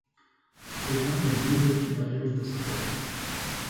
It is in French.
C'est l'un des deux delphinariums d'Australie.